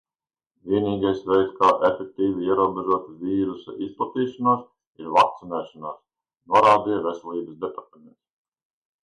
Vienīgais veids, kā efektīvi ierobežot vīrusa izplatīšanos, ir vakcinēšanās, norādīja Veselības departaments.